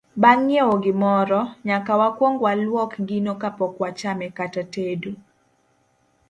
Bang' ng'iewo gimoro, nyaka wakwong walwok gino kapok wachame kata tedo.